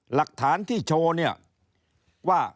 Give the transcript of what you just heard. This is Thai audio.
หลักฐานที่โชว์เนี่ยว่า